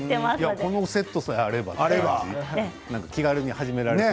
このセットさえあれば気軽に始められそう